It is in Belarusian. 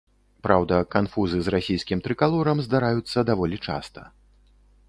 Праўда, канфузы з расійскім трыкалорам здараюцца даволі часта.